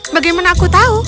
bagaimana aku tahu